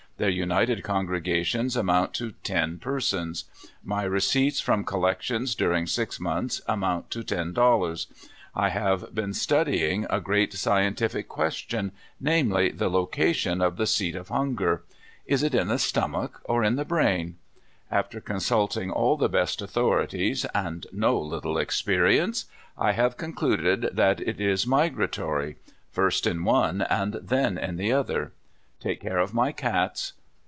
Their united congre gations amount to ten persons. ^Ij receipts from collections during six months amount to ten dollars. I have been study ing a great scientiiic question— namely, the location of the seat of hunger. Is it in the stomach, or in the brain. * After con sulting all the best authorities, and no little exferienee, I have concluded that it is migratory — first in one, and then in the other! Take care of my cats.